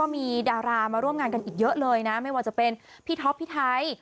มีดารามาร่วมงานกันอีกเยอะเลยนะไม่ว่าจะเป็นพี่ท็อปพี่ไทย